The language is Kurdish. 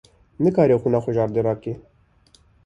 Nikare qûna xwe ji erdê rake.